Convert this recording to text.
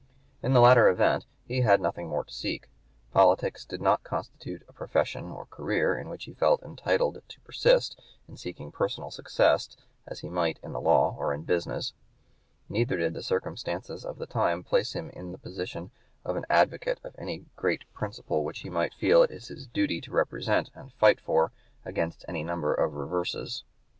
In the latter event he had nothing more to seek. Politics did not constitute a profession or career in which he felt entitled to persist in seeking personal success as he might in the law or in business. Neither did the circumstances of the time place him in the position of an advocate of any great principle which he might feel it his duty to represent and to fight for against any number of reverses.